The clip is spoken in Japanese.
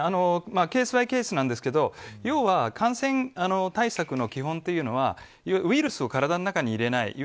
ケース・バイ・ケースなんですけど要は感染対策の基本というのはウイルスを体の中に入れない。